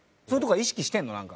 そういうとこは意識してるの？